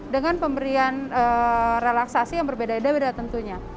dengan pemberian relaksasi yang berbeda beda tentunya